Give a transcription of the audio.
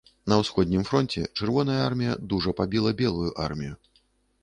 На ўсходнім фронце чырвоная армія дужа пабіла белую армію.